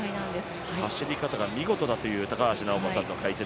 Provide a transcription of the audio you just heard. その走り方が見事だという高橋尚子さんの解説。